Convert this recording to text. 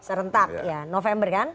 serentak ya november kan